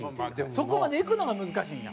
そこまでいくのが難しいんや？